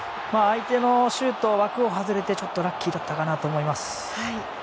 相手のシュート枠を外れてちょっとラッキーだったかなと思います。